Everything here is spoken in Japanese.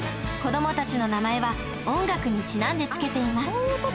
子供たちの名前は音楽にちなんで付けています